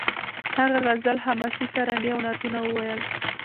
هغه غزل حماسي ترانې او نعتونه وویل